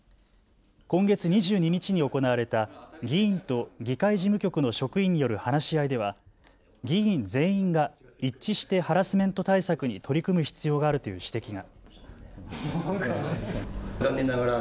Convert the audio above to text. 今月２２日に行われた議員と議会事務局の職員による話し合いでは議員全員が一致してハラスメント対策に取り組む必要があるという指摘が。